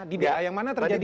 di daerah yang mana terjadi